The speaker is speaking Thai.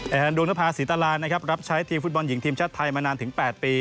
แทนดวงนภาษีตรานนะครับรับใช้ทีมฟุตบอลหญิงทีมชาติไทยมานานถึง๘ปี